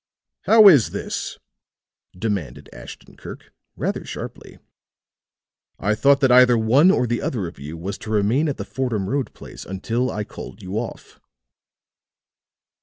"How is this?" demanded Ashton Kirk, rather sharply. "I thought that either one or the other of you was to remain at the Fordham Road place until I called you off."